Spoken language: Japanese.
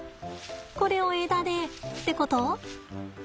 これを枝でってこと？